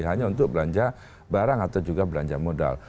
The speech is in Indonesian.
hanya untuk belanja barang atau juga belanja modal